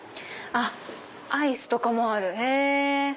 アイスとかもある。